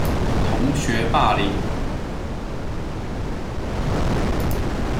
同學霸凌